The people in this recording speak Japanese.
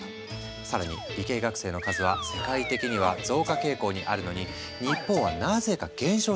更に理系学生の数は世界的には増加傾向にあるのに日本はなぜか減少しているんだ！